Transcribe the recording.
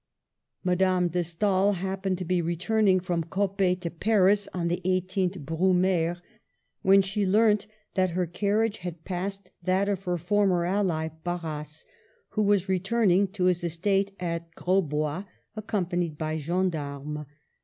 Madame de Stael happened to be returning from Coppet to Paris on the 18th Brumaire, when she learnt that her carriage had passed that of her former ally Barras, who was returning to his estate at Grosbois accompanied by gendarmes.